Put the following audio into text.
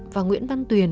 và nguyễn văn tuyền